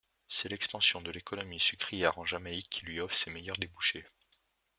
C'est l'expansion de l'économie sucrière en Jamaïque qui lui offre ses meilleurs débouchés.